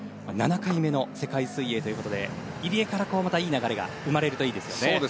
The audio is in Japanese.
７回目の世界水泳ということで入江からまたいい流れが生まれるといいですよね。